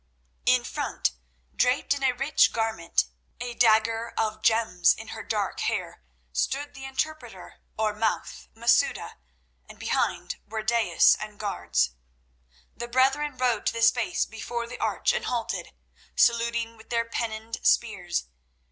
In front, draped in a rich garment, a dagger of gems in her dark hair, stood the interpreter or "mouth" Masouda, and behind were daïs and guards. The brethren rode to the space before the arch and halted, saluting with their pennoned spears.